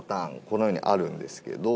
このようにあるんですけど。